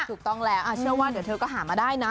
ถูกต้องแล้วเชื่อว่าเดี๋ยวเธอก็หามาได้นะ